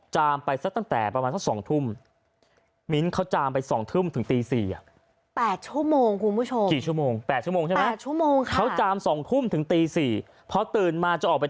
จามไปสักตั้งแต่ประมาณสัก๒ทุ่ม